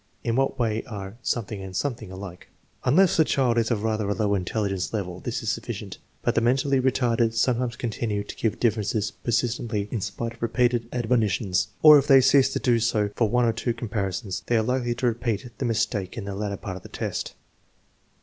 In what way are ... and ... alike ?" Unless the child is of rather low intelligence level this is sufficient, but the mentally retarded sometimes continue to give differences persistently in spite of repeated admonitions, or if they cease to do so for one or two comparisons, they are likely to repeat the mis take in the latter part of the test.